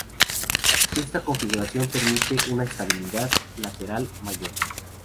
Esta configuración permite una estabilidad lateral mayor.